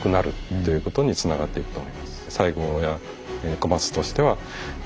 ということにつながっていくと思います。